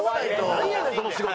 なんやねんその仕事。